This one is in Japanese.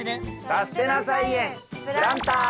「さすてな菜園プランター」！